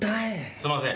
すいません。